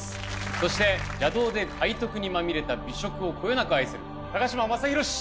そして邪道で背徳にまみれた美食をこよなく愛する嶋政宏氏！